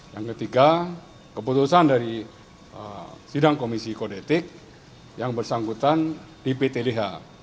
yang ketiga keputusan dari sidang komisi kodepi yang bersangkutan di pt lh